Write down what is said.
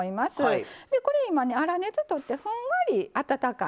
これ今粗熱とってふんわり温かいのね。